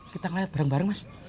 kita ngeliat bareng bareng mas